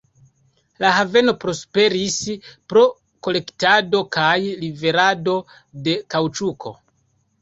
La haveno prosperis pro kolektado kaj liverado de kaŭĉuko.